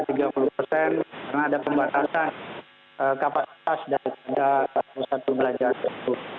karena ada pembatasan kapasitas dari tiga puluh satu belanjaan